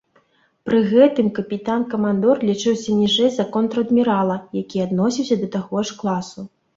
Пры гэтым капітан-камандор лічыўся ніжэй за контр-адмірала, які адносіўся да таго ж класу.